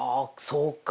そうか。